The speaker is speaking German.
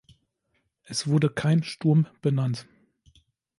Es wurde kein Sturm benannt.